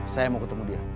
saya mau ketemu dia